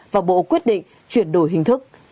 và bộ quyết định chuyển đổi hình thức